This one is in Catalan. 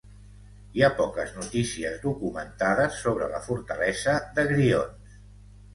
Hi ha poques notícies documentades sobre la fortalesa de Grions.